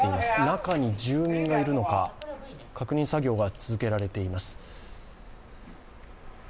中に住民がいるのか確認作業が続けられています。